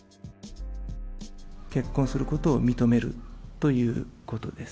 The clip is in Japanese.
結婚することを認めるということです。